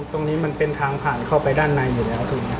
ตรงนี้มันเป็นทางผ่านเข้าไปด้านในอยู่แล้วถูกไหมครับ